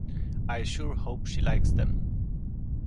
I sure hope she likes them.